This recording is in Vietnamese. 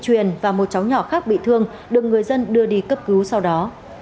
truyền và một cháu nhỏ khác bị thương được người dân đưa đi cấp cứu sau đó